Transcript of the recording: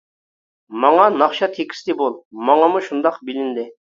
ماڭا ناخشا تېكىستى بول. ماڭىمۇ شۇنداق بىلىندى.